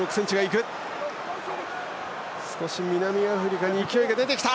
少し南アフリカに勢いが出てきた。